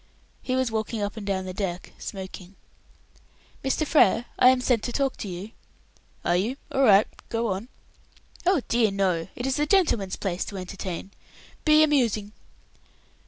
He was walking up and down the deck, smoking. "Mr. Frere, I am sent to talk to you." "Are you? All right go on." "Oh dear, no. It is the gentleman's place to entertain. Be amusing!"